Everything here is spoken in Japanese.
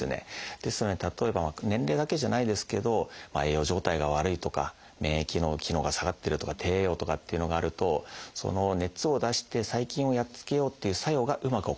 ですので例えば年齢だけじゃないですけど栄養状態が悪いとか免疫の機能が下がってるとか低栄養とかっていうのがあるとその熱を出して細菌をやっつけようっていう作用がうまく起こんないんですよ。